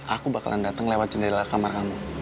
aku bakalan datang lewat jendela kamar kamu